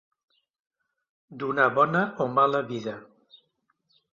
Donar bona o mala vida.